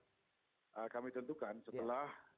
nanti akan kami tentukan setelah